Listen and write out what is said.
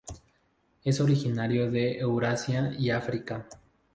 Es originario de Eurasia y África.